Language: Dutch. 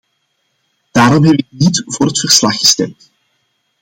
Daarom heb ik niet voor het verslag gestemd.